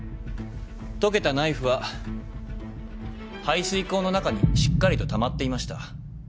溶けたナイフは排水口の中にしっかりとたまっていました。